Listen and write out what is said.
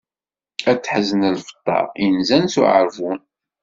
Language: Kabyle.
Ad teḥzen lfeṭṭa inzan s uɛeṛbun.